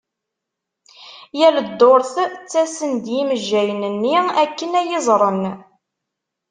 Yal ddurt ttasen-d yimejjayen-nni akken ad iyi-iẓren.